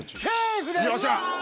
よっしゃ！